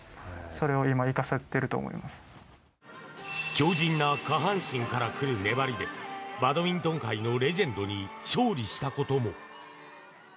強じんな下半身から来る粘りでバドミントン界のレジェンドに勝利したことも。